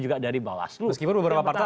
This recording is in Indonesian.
juga dari bawah meskipun beberapa partai